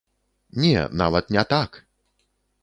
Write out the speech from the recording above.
Не, нават не так!